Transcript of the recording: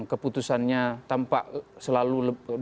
keputusannya tampak selalu